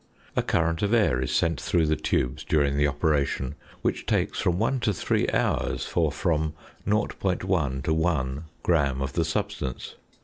A current of air is sent through the tubes during the operation, which takes from one to three hours for from 0.1 to 1 gram of the substance.